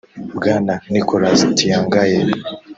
Bwana Nicolas Tiangaye